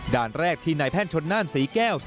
ด้านแรกที่นายแพ่นชดน่านสีแก้ว